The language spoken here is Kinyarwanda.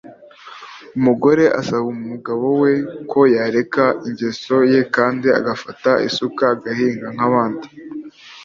Umugore asaba umugabo we ko yareka ingeso ye kandi agafata isuka agahinga nk’abandi